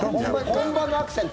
本場のアクセント？